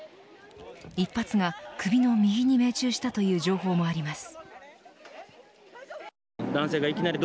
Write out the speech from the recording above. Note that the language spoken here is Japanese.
一発が首の右に命中したという情報もあります。